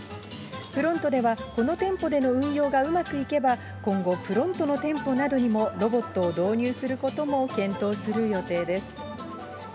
プロントではこの店舗での運用がうまくいけば、今後、プロントの店舗などにも、ロボットを導入することも検討する予定です。